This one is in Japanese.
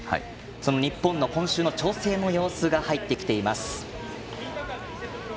日本の今週の調整の様子が入ってきています。